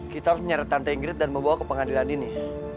kita harus menyeret tante inggris dan membawa ke pengadilan ini